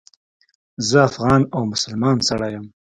زه افغان او مسلمان سړی یم.